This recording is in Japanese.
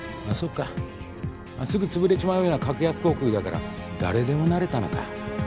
かあっすぐ潰れちまうような格安航空だから誰でもなれたのか。